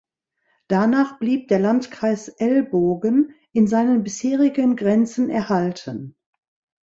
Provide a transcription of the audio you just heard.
Danach blieb der Landkreis Elbogen in seinen bisherigen Grenzen erhalten.